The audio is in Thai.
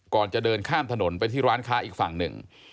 ก่อนจะเดินข้ามถนนไปที่ร้านค้าอีกฝั่งหนึ่ง